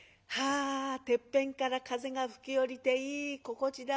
あてっぺんから風が吹き降りていい心地だわい。